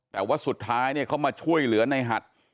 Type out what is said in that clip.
แต่ว่าสุดท้ายเขามาช่วยเหลือนายหัด